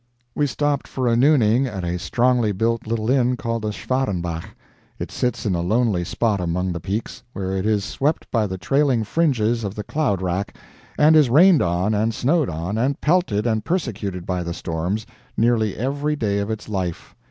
We stopped for a nooning at a strongly built little inn called the Schwarenbach. It sits in a lonely spot among the peaks, where it is swept by the trailing fringes of the cloud rack, and is rained on, and snowed on, and pelted and persecuted by the storms, nearly every day of its life.